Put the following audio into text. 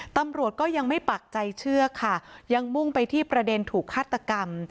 ตำรวจก็ยังไม่ปักใจเชื่อค่ะยังมุ่งไปที่ประเด็นถูกฆาตกรรม